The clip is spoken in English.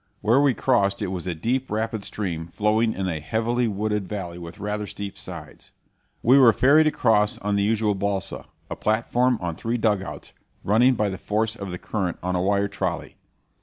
Where we crossed, it was a deep, rapid stream, flowing in a heavily wooded valley with rather steep sides. We were ferried across on the usual balsa, a platform on three dugouts, running by the force of the current on a wire trolley.